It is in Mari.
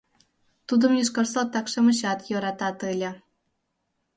Тудым йошкар салтак-шамычат йӧратат ыле.